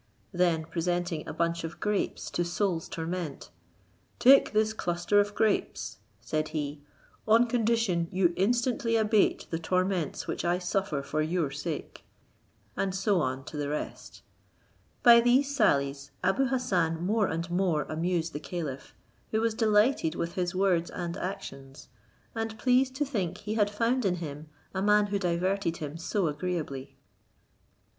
Then, presenting a bunch of grapes to Soul's Torment, "Take this cluster of grapes," said he, "on condition you instantly abate the torments which I suffer for your sake;" and so on to the rest. By these sallies Abou Hassan more and more amused the caliph, who was delighted with his words and actions, and pleased to think he had found in him a man who diverted him so agreeably.